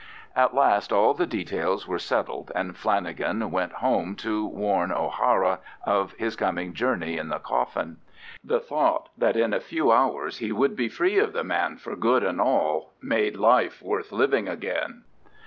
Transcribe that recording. At last all the details were settled, and Flanagan went home to warn O'Hara of his coming journey in the coffin: the thought that in a few hours he would be free of the man for good and all made life worth living again.